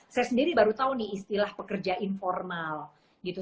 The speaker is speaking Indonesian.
saya sendiri baru tahu nih istilah pekerja informal gitu